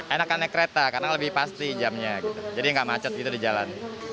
enak karena kereta karena lebih pasti jamnya jadi nggak macet gitu di jamnya